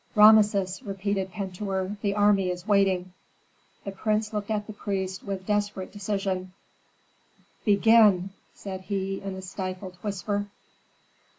"Rameses," repeated Pentuer, "the army is waiting." The prince looked at the priest with desperate decision. "Begin!" said he in a stifled whisper.